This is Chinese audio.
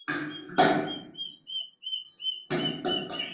并且正式取消氟派瑞于茶的留容许量。